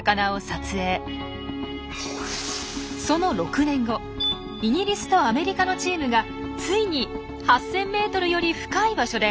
その６年後イギリスとアメリカのチームがついに８，０００ｍより深い場所で発見。